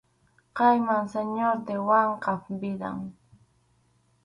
Khaynam Señor de Wankap vidan.